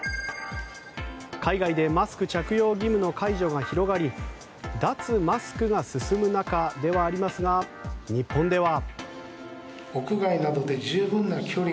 海外でマスク着用義務の解除が広がり脱マスクが進む中ではありますが日本では。